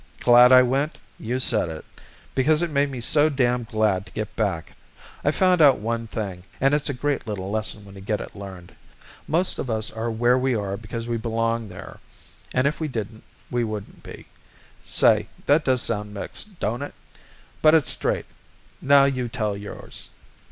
Glad I went? You said it. Because it made me so darned glad to get back. I've found out one thing, and it's a great little lesson when you get it learned. Most of us are where we are because we belong there, and if we didn't, we wouldn't be. Say, that does sound mixed, don't it? But it's straight. Now you tell yours."